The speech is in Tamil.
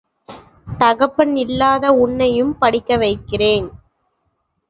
தகப்பன் இல்லாத உன்னையும் படிக்க வைக்கிறேன்.